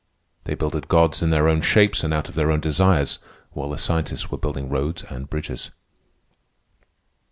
They builded gods in their own shapes and out of their own desires, while the scientists were building roads and bridges.